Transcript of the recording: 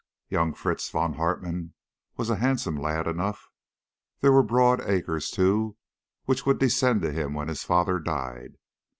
Young Fritz von Hartmann was a handsome lad enough. There were broad acres, too, which would descend to him when his father died.